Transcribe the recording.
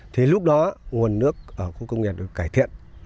thế lúc đó nguồn nước ở khu công nghiệp được cải thiện